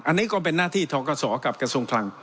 อันนี้ก็เป็นหน้าที่ทกศกับกระทรวงคลัง